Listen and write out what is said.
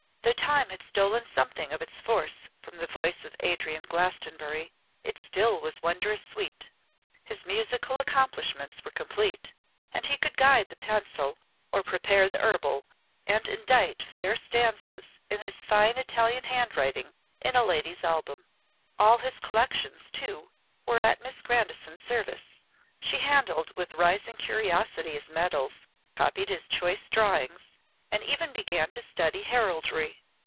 Though time had stolen something of its force from the voice of Adrian Glastonbury, it still was wondrous sweet; his musical accomplishments were complete; and he could guide the pencil or prepare the herbal, and indite fair stanzas in his fine Italian handwriting in a lady's album. All his collections, too, were at Miss Grandison's service. She handled with rising curiosity his medals, copied his choice drawings, and even began to study heraldry.